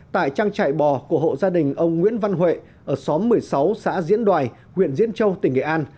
tại trang trại bò của hộ gia đình ông nguyễn văn huệ ở xóm một mươi sáu xã diễn đoài huyện diễn châu tỉnh nghệ an